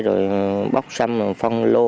rồi bóc xăm phong lô